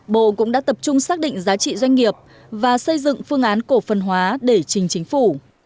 bộ cũng đã tập trung xác định giá trị doanh nghiệp và xây dựng phương án cổ phần hóa để trình chính phủ